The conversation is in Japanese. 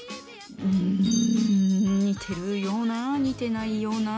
うん似てるような似てないような。